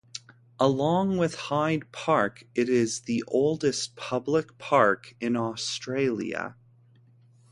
Along with Hyde Park it is the oldest public park in Australia.